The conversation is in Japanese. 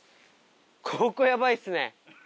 ここヤバいっすね。